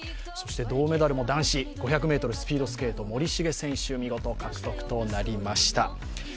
そして銅メダルも男子５００ｍスピードスケート、森重選手、見事獲得となりました。